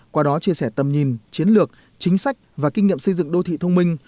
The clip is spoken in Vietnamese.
qua đó chia sẻ tầm nhìn chiến lược chính sách và kinh nghiệm xây dựng đô thị thông minh